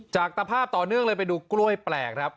ตภาพต่อเนื่องเลยไปดูกล้วยแปลกครับ